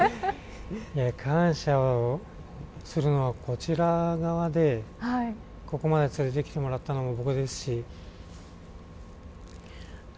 感謝をするのはこちら側でここまで連れてきてもらったのも僕ですし。